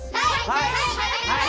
はい！